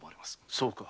そうか。